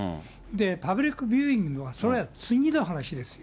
パブリックビューイングは、それは次の話ですよ。